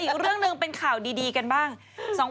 อีกเรื่องหนึ่งเป็นข่าวดีกันบ้าง